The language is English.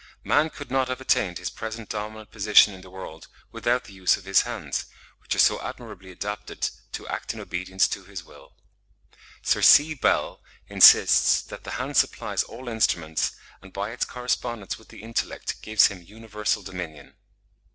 Man could not have attained his present dominant position in the world without the use of his hands, which are so admirably adapted to act in obedience to his will. Sir C. Bell (73. 'The Hand,' etc., 'Bridgewater Treatise,' 1833, p. 38.) insists that "the hand supplies all instruments, and by its correspondence with the intellect gives him universal dominion."